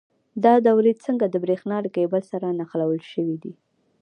دا دورې څنګه د برېښنا له کیبل سره نښلول شوي دي؟